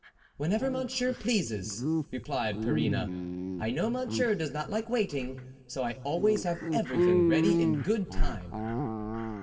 " Whenever Monsieur pleases," replied Perrine. " I know Monsieur does not like waiting ; so I always have everything ready in good time."